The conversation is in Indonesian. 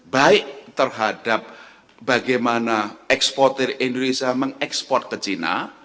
baik terhadap bagaimana eksportir indonesia mengekspor ke china